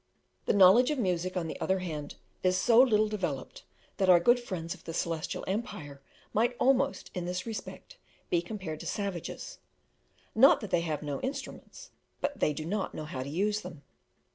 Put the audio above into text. The knowledge of music, on the other hand, is so little developed, that our good friends of the Celestial Empire might almost, in this respect, be compared to savages not that they have no instruments, but they do not know how to use them.